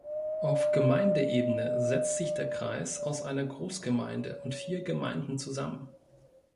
Auf Gemeindeebene setzt sich der Kreis aus einer Großgemeinde und vier Gemeinden zusammen.